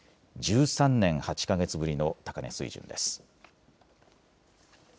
１３年８か月ぶりの高値水準です。